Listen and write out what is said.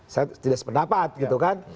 saya tidak sependapat gitu kan